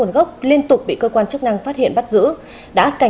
xin chào và hẹn gặp lại